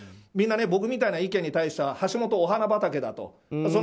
みんなね僕みたいな意見に対しては橋下、お花畑だと。